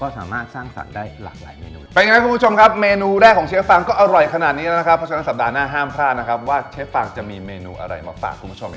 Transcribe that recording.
สัปดาห์หน้าห้ามพลาดว่าเชฟฟังจะมีมีเมนูอะไรมาฝากคุณผู้ชม